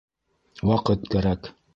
Ваҡыт кәрәк.